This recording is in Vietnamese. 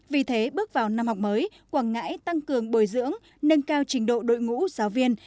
vì thế bước vào năm học mới quảng ngãi tăng cường bồi dưỡng nâng cao trình độ đội ngũ giáo viên